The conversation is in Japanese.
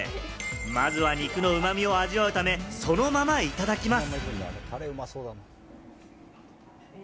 まずは肉の旨味を味わうため、そのままいただきます。